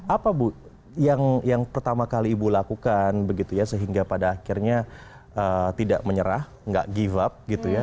apa yang pertama kali ibu lakukan sehingga pada akhirnya tidak menyerah gak give up gitu ya